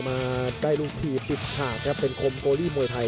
มาได้ลูกทีมปิดฉากครับเป็นคมโกลีมวยไทย